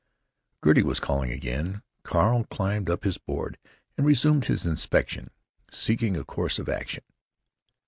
Gertie was calling again. Carl climbed upon his board and resumed his inspection, seeking a course of action.